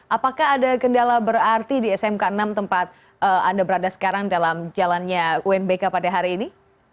apakah ada kendala berarti di smk enam tempat anda berada sekarang dalam jalannya unbk pada hari ini